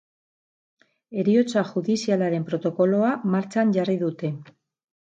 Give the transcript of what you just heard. Heriotza judizialaren protokoloa martxan jarri dute.